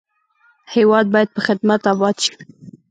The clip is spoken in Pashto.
هېواد باید په خدمت اباد شي.